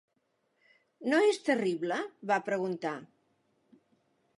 "No és terrible?", va preguntar.